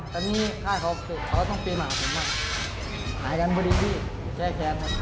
แต่นี่ท่านเขาต้องปีนมากกว่าไหลกันพอดีที่แค้น